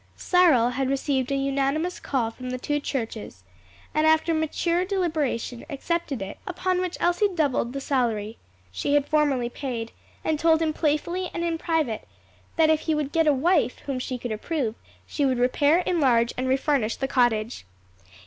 Cyril had received a unanimous call from the two churches, and after mature deliberation accepted it, upon which Elsie doubled the salary she had formerly paid, and told him playfully and in private that if he would get a wife whom she could approve she would repair, enlarge, and refurnish the cottage.